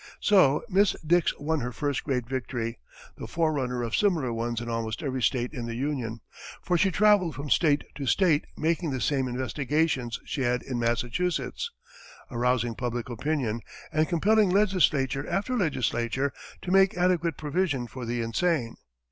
So Miss Dix won her first great victory, the forerunner of similar ones in almost every state in the union; for she travelled from state to state making the same investigations she had in Massachusetts, arousing public opinion, and compelling legislature after legislature to make adequate provision for the insane.